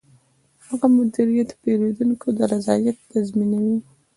ښه مدیریت د پیرودونکي رضایت تضمینوي.